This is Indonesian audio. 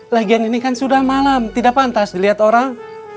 lagian ini kan sudah malam tidak pantas dilihat orang